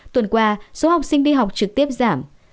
tuần qua số học sinh đi học trực tiếp giảm